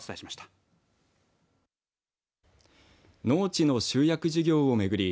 農地の集約事業を巡り